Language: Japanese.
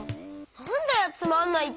なんだよつまんないって。